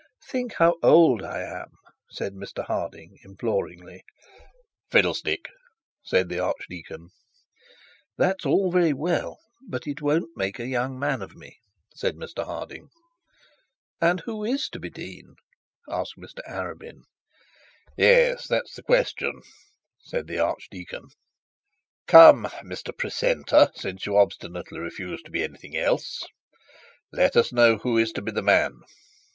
'Think how old I am,' said Mr Harding imploringly. 'Fiddlestick!' said the archdeacon. 'That's all very well, but it won't make a young man of me,' said Mr Harding. 'And who is to be the dean?' asked Mr Arabin. 'Yes, that is the question,' said the archdeacon. 'Come, Mr Precentor, since you obstinately refuse to be anything else, let us know who is to be the man.